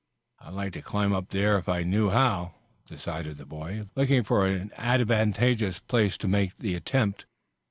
"I'd like to climb up there if I knew how," decided the boy, looking for an advantageous place to make the attempt.